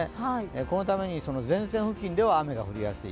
このために前線付近では雨が降りやすい。